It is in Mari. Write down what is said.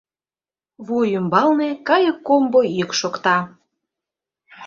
Вуй ӱмбалне кайык комбо йӱк шокта.